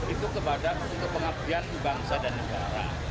itu untuk pengabdian bangsa dan negara